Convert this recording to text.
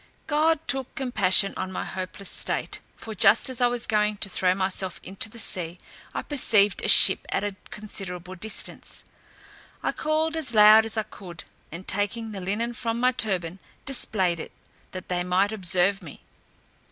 God took compassion on my hopeless state; for just as I was going to throw myself into the sea, I perceived a ship at a considerable distance. I called as loud as I could, and taking the linen from my turban, displayed it, that they might observe me.